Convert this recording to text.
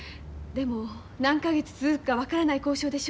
でも何か月続くか分からない交渉でしょ。